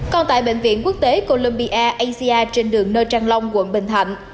còn tại bệnh viện quốc tế columbia asia trên đường nơ trăng long quận bình thạnh